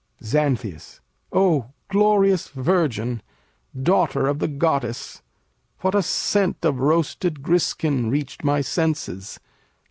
Xan. O glorious virgin, daughter of the Goddess! What a scent of roasted griskin reached my senses!